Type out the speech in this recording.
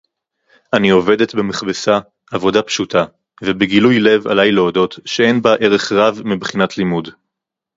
אני עובדת במכבסה עבודה פשוטה, ובגילוי־לב עליי להודות שאין בה ערך רב מבחינת לימוד.